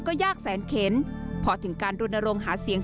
ก็ยากแสนเข็นพอถึงการรณรงค์หาเสียง